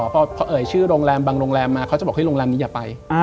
พอเอ่ยชื่อโรงแรมบางโรงแรมมาเขาจะบอกโรงแรมนี้อย่าไป